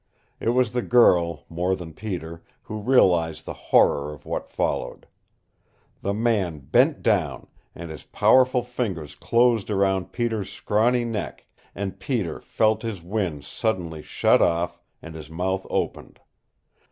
It was the girl, more than Peter, who realized the horror of what followed. The man bent down and his powerful fingers closed round Peter's scrawny neck, and Peter felt his wind suddenly shut off, and his mouth opened.